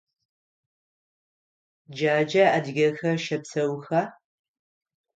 Джаджэ адыгэхэр щэпсэуха?